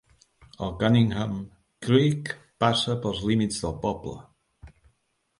El Cunningham Creek passa pels límits del poble.